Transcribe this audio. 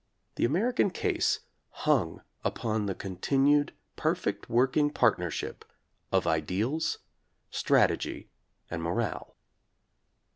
The American case hung upon the con tinued perfect working partnership of ideals, strategy and morale.